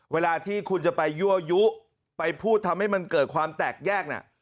เวลาที่คุณจะไปยั่วยุไปพูดทำให้มันเกิดความแตกแยกเนี่ย